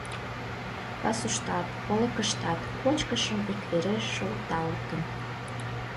Пасуштат, олыкыштат кочкышым иквереш шолталтын.